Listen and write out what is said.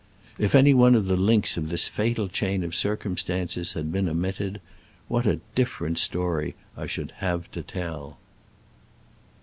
If any one of the hnks of this fatal chain of cir cumstances had been omitted, what a different story I should have to tell